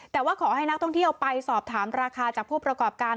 แต่ว่าขอให้นักท่องเที่ยวไปสอบถามราคาจากผู้ประกอบการ